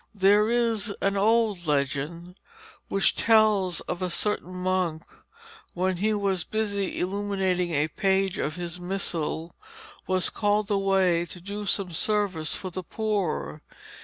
There is an old legend which tells of a certain monk who, when he was busily illuminating a page of his missal, was called away to do some service for the poor.